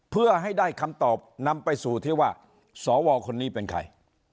เพื่อให้ได้คำตอบนำไปสู่ที่ว่าสวคนนี้เป็นใคร